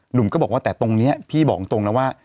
หนุ่มก็บอกว่าแต่ตรงนี้พี่บอกตรงนะว่า